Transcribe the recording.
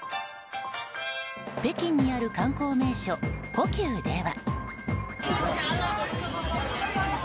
北京にある観光名所、故宮では。